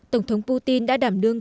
tổng thống putin đã đảm đương